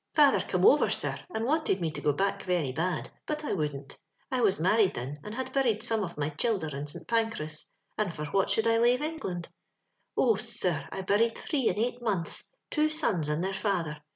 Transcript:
Father come over, sir, and wanted me to go back very bad, but I wouldn't. I was married thin, and had buried some of my ohilderin St Pancras; and for what should Ilave England? *' Oh 1 sir, I buried three in eight months, — two sons and their father.